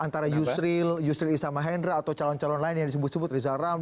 antara yusril yusril issamahendra atau calon calon lain yang disebut sebut riza ramli atau bu riza